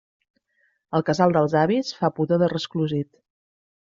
El casal dels avis fa pudor de resclosit.